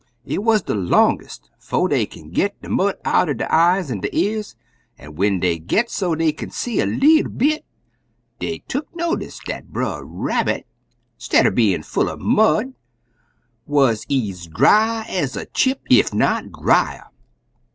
It wuz de longest 'fo' dey kin git de mud out 'n der eyes an' y'ears, an' when dey git so dey kin see a leetle bit, dey tuck notice dat Brer Rabbit, stidder bein' full er mud, wuz ez dry ez a chip, ef not dryer.